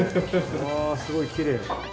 わすごいきれい。